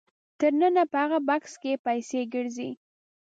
تر ننه په هغه بکس پسې ګرځي.